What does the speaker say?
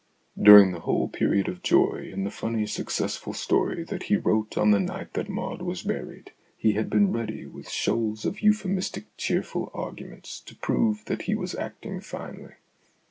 During the whole period of joy in the funny successful story that he wrote on the night that Maud was buried, he had been ready with shoals of euphemistic cheerful arguments to prove that he was acting finely.